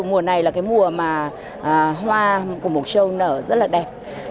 mùa này là cái mùa mà hoa của mộc châu nở rất là đẹp